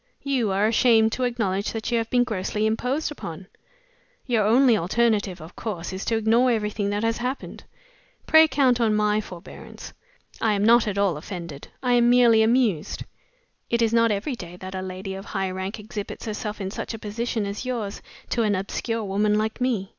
"You are ashamed to acknowledge that you have been grossly imposed upon. Your only alternative, of course, is to ignore everything that has happened. Pray count on my forbearance. I am not at all offended I am merely amused. It is not every day that a lady of high rank exhibits herself in such a position as yours to an obscure woman like me.